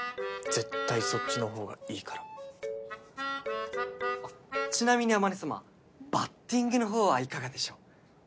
絶対そっちのほうがいいからちなみに天音さまバッティングのほうはいかがでしょう？